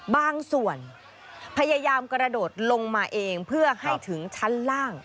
บางส่วนพยายามกระโดดลงมาเองเพื่อให้ถึงชั้นล่าง